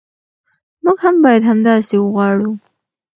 موږ هم باید همداسې وغواړو.